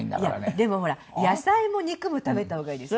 いやでもほら野菜も肉も食べた方がいいですよね。